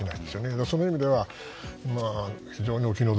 そういう意味では非常にお気の毒。